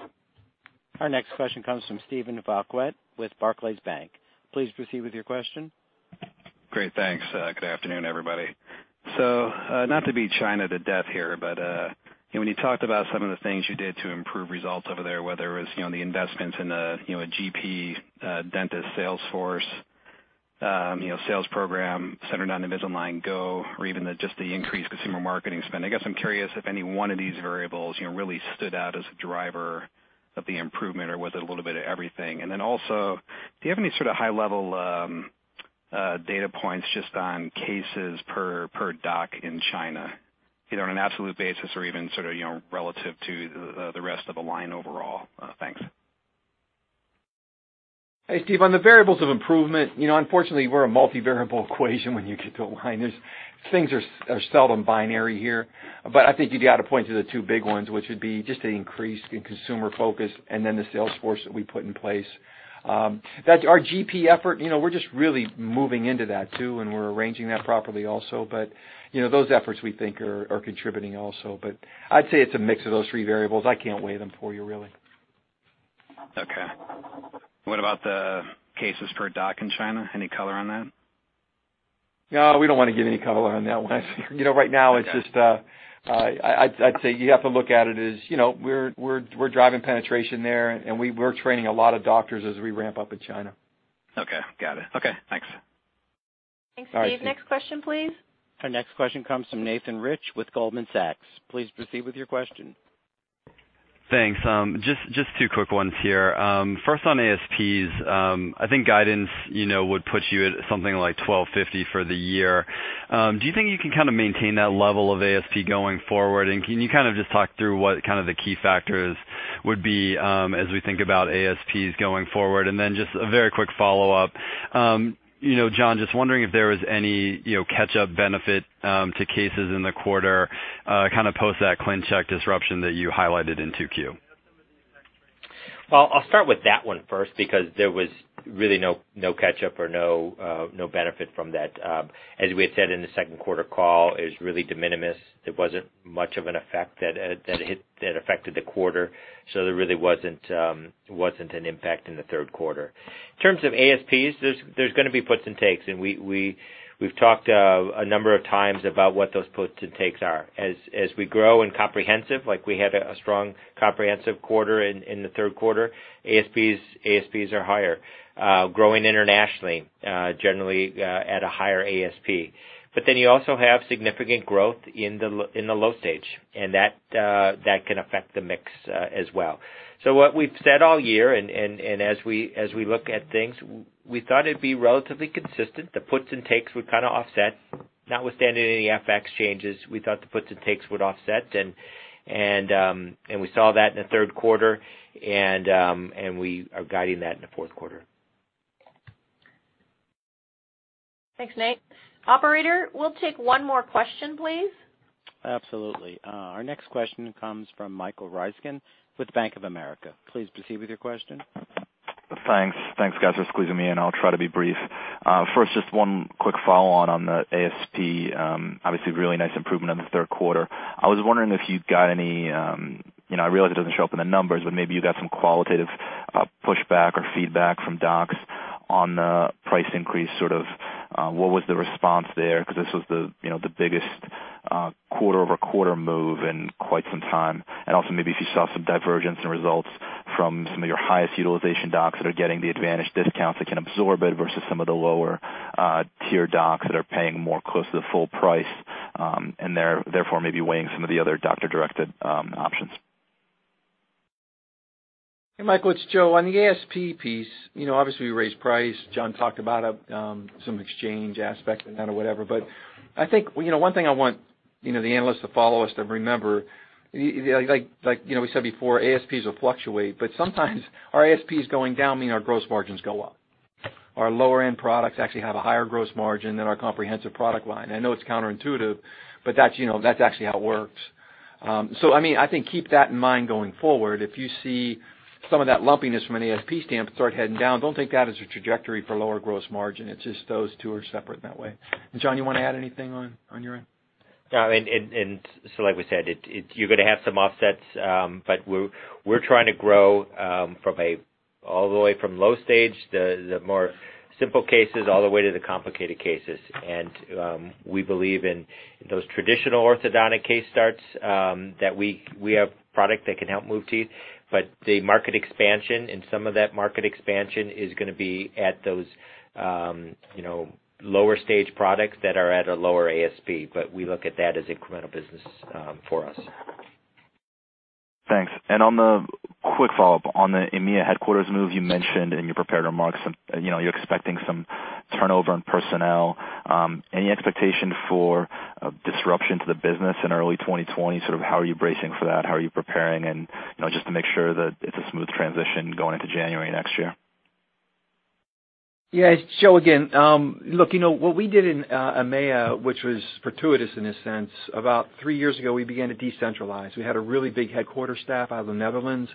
Our next question comes from Steven Valiquette with Barclays Bank. Please proceed with your question. Great. Thanks. Good afternoon, everybody. Not to beat China to death here, but when you talked about some of the things you did to improve results over there, whether it was the investments in a GP dentist sales force, sales program centered on Invisalign Go, or even just the increased consumer marketing spend. I guess I'm curious if any one of these variables really stood out as a driver of the improvement, or was it a little bit of everything? Also, do you have any sort of high-level data points just on cases per doc in China, either on an absolute basis or even sort of relative to the rest of Align overall? Thanks. Hey, Steve. On the variables of improvement, unfortunately, we're a multi-variable equation when you get to Align. Things are seldom binary here. I think you'd be able to point to the two big ones, which would be just the increase in consumer focus and then the sales force that we put in place. Our GP effort, we're just really moving into that, too, and we're arranging that properly also. Those efforts, we think, are contributing also. I'd say it's a mix of those three variables. I can't weigh them for you, really. Okay. What about the cases per doc in China? Any color on that? No, we don't want to give any color on that one. Okay I'd say you have to look at it as we're driving penetration there, and we're training a lot of doctors as we ramp up in China. Okay. Got it. Okay, thanks. All right. Thanks, Steve. Next question, please. Our next question comes from Nathan Rich with Goldman Sachs. Please proceed with your question. Thanks. Just two quick ones here. First on ASPs, I think guidance would put you at something like $12.50 for the year. Do you think you can kind of maintain that level of ASP going forward? Can you kind of just talk through what kind of the key factors would be as we think about ASPs going forward? Just a very quick follow-up, John, just wondering if there was any catch-up benefit to cases in the quarter post that ClinCheck disruption that you highlighted in 2Q. Well, I'll start with that one first, because there was really no catch-up or no benefit from that. As we had said in the second quarter call, it was really de minimis. There wasn't much of an effect that affected the quarter, there really wasn't an impact in the third quarter. In terms of ASPs, there's going to be puts and takes, we've talked a number of times about what those puts and takes are. As we grow in comprehensive, like we had a strong comprehensive quarter in the third quarter, ASPs are higher. Growing internationally, generally at a higher ASP. You also have significant growth in the low stage, that can affect the mix as well. What we've said all year, as we look at things, we thought it'd be relatively consistent. The puts and takes would kind of offset. Notwithstanding any FX changes, we thought the puts and takes would offset, and we saw that in the third quarter, and we are guiding that in the fourth quarter. Thanks, Nate. Operator, we'll take one more question, please. Absolutely. Our next question comes from Michael Ryskin with Bank of America. Please proceed with your question. Thanks. Thanks, guys, for squeezing me in. I'll try to be brief. First, just one quick follow-on on the ASP. Obviously, really nice improvement on the third quarter. I was wondering if you got I realize it doesn't show up in the numbers, but maybe you got some qualitative pushback or feedback from docs on the price increase, sort of what was the response there? This was the biggest quarter-over-quarter move in quite some time. Also, maybe if you saw some divergence in results from some of your highest utilization docs that are getting the advantage discounts that can absorb it versus some of the lower tier docs that are paying more close to the full price, and therefore maybe weighing some of the other doctor-directed options? Hey, Michael, it's Joe. On the ASP piece, obviously, we raised price. John talked about some exchange aspect in that or whatever. I think one thing I want the analysts to follow us to remember, like we said before, ASPs will fluctuate, but sometimes our ASPs going down mean our gross margins go up. Our lower-end products actually have a higher gross margin than our comprehensive product line. I know it's counterintuitive, but that's actually how it works. I think keep that in mind going forward. If you see some of that lumpiness from an ASP standpoint start heading down, don't think that is a trajectory for lower gross margin. It's just those two are separate that way. John, you want to add anything on your end? Like we said, you're going to have some offsets, but we're trying to grow all the way from low-stage, the more simple cases, all the way to the complicated cases. We believe in those traditional orthodontic case starts that we have product that can help move teeth. The market expansion and some of that market expansion is going to be at those lower-stage products that are at a lower ASP. We look at that as incremental business for us. Thanks. On the quick follow-up on the EMEA headquarters move you mentioned in your prepared remarks, you're expecting some turnover in personnel. Any expectation for disruption to the business in early 2020? Sort of how are you bracing for that? How are you preparing, and just to make sure that it's a smooth transition going into January next year? Yeah, it's Joe again. Look, what we did in EMEA, which was fortuitous in a sense, about three years ago, we began to decentralize. We had a really big headquarter staff out of the Netherlands.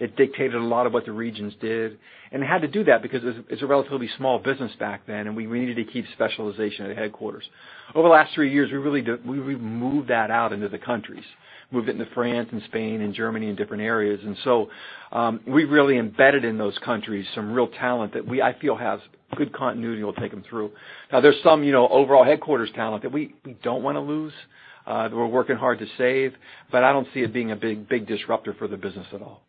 It dictated a lot of what the regions did, and it had to do that because it's a relatively small business back then, and we needed to keep specialization at headquarters. Over the last three years, we've moved that out into the countries, moved it into France and Spain and Germany and different areas. We've really embedded in those countries some real talent that I feel has good continuity will take them through. Now, there's some overall headquarters talent that we don't want to lose, that we're working hard to save, but I don't see it being a big disruptor for the business at all.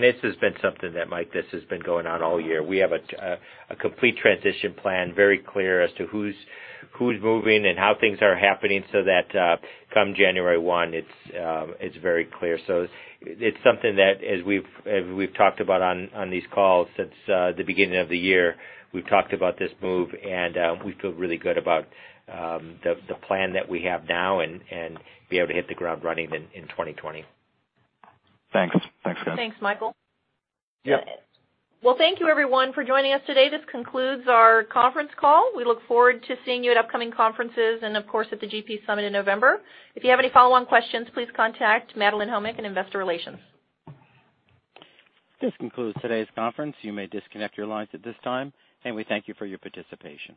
This has been something that, Mike, this has been going on all year. We have a complete transition plan, very clear as to who's moving and how things are happening so that come January 1, it's very clear. It's something that as we've talked about on these calls since the beginning of the year, we've talked about this move, and we feel really good about the plan that we have now and be able to hit the ground running in 2020. Thanks. Thanks, guys. Thanks, Michael. Yeah. Well, thank you everyone for joining us today. This concludes our conference call. We look forward to seeing you at upcoming conferences and, of course, at the GP Summit in November. If you have any follow-on questions, please contact Madelyn Homick in Investor Relations. This concludes today's conference. You may disconnect your lines at this time, and we thank you for your participation.